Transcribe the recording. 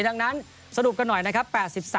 ดังนั้นสรุปกันหน่อยนะครับ